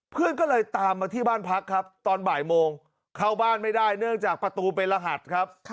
เพื่อนก็เลยตามมาที่บ้านพักครับตอนบ่ายโมงเข้าบ้านไม่ได้เนื่องจากประตูเป็นรหัสครับ